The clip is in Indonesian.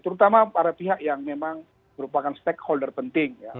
terutama para pihak yang memang merupakan stakeholder penting ya